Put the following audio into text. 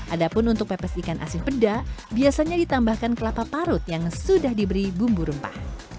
ada pun untuk pepes ikan asin peda biasanya ditambahkan kelapa parut yang sudah diberi bumbu rempah